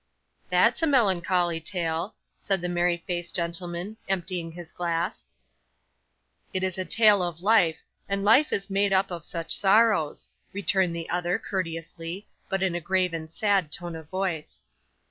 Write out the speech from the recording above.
'That's a melancholy tale,' said the merry faced gentleman, emptying his glass. 'It is a tale of life, and life is made up of such sorrows,' returned the other, courteously, but in a grave and sad tone of voice.